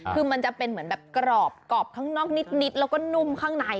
คือมันจะเป็นเหมือนแบบกรอบกรอบข้างนอกนิดแล้วก็นุ่มข้างใน